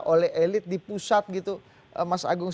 oleh elit di pusat gitu mas agung